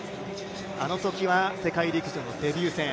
あのときは世界陸上デビュー戦。